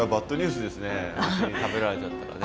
虫に食べられちゃったらね。